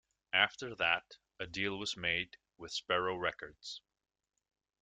After that, a deal was made with Sparrow Records.